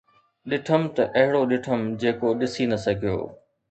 ڏٺم ته اهڙو ڏٺم جيڪو ڏسي نه سگهيو.